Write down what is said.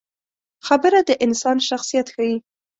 خبره د انسان شخصیت ښيي.